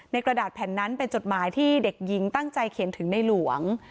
กระดาษแผ่นนั้นเป็นจดหมายที่เด็กหญิงตั้งใจเขียนถึงในหลวง